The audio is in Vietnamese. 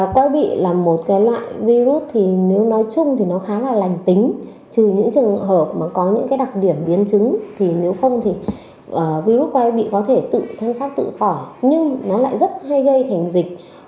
quay bị là một loại virus thì nếu nói chung thì nó khá là lành tính trừ những trường hợp mà có những đặc điểm biến chứng thì nếu không thì virus quay bị có thể tự chăm sóc tự khỏi nhưng nó lại rất hay gây thành dịch